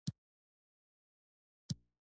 د نیمروز کلی موقعیت